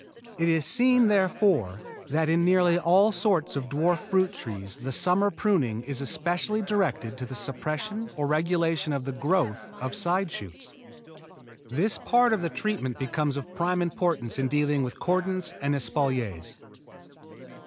It is seen, therefore, that in nearly all sorts of dwarf fruit trees the summer pruning is especially directed to the suppression or regulation of the growth of side shoots. This part of the treatment becomes of prime importance in dealing with cordons and espaliers.